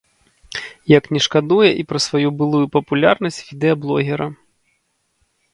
Як не шкадуе і пра сваю былую папулярнасць відэаблогера.